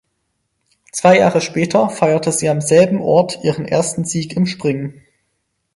Zwei Jahre später feierte sie am selben Ort ihren ersten Sieg im Springen.